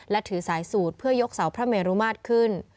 และถือสายสูตรเพื่อยกเสาพระเมรุมาตรขึ้น